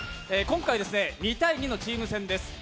今回、２対２のチーム戦です。